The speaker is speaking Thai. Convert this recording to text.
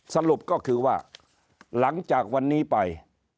สรุปก็คือว่าหลังจากวันนี้ไป